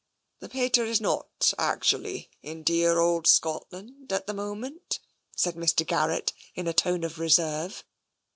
" The pater is not actually in dear old Scotland at the moment," said Mr. Garrett, in a tone of reserve.